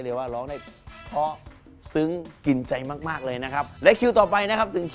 ทุกอย่างที่ต้องเต็มหัวใจจากนี้ทุกลมห้ายใจฉันคือเธอ